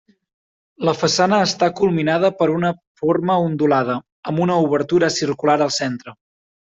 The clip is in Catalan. La façana està culminada per una forma ondulada, amb una obertura circular al centre.